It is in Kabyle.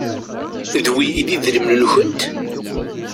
D wi i d idrimen-nkent?